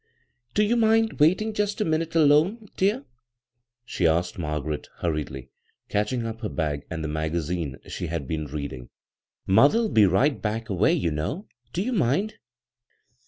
" Do you mind waiting just a minute alone, dear? " she asked Margaret hurriedly, catch ing up her bag and the magazine she had be^i reading. "Mother'll be back right away, you know. Do you mind